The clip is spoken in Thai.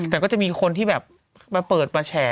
แต่ก็จะมีคนที่แบบมาเปิดประแฉ